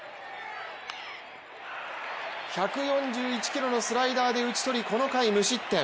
１４１キロのスライダーで打ち取りこの回、無失点。